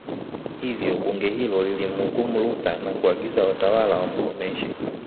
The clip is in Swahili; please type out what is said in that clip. Hivyo Bunge hilo lilimhukumu Luther na kuagiza watawala wamkomeshe